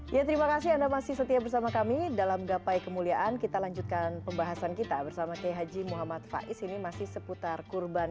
ya terima kasih anda masih setia bersama kami dalam gapai kemuliaan kita lanjutkan pembahasan kita bersama k h muhammad faiz ini masih seputar kurban